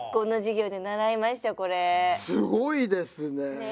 すごいですね。